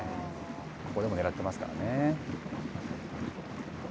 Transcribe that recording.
ここでもねらってますからね。